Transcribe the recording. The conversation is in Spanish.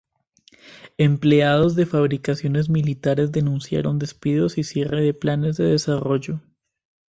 Empleados de Fabricaciones Militares denunciaron despidos y cierre de planes de desarrollo.